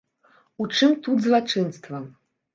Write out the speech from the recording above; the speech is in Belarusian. У чым тут злачынства?